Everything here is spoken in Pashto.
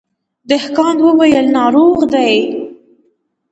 دهقان وويل ناروغ دی.